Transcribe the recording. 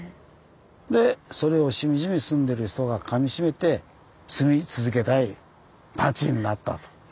でそれをしみじみ住んでる人がかみしめて住み続けたい町になったと。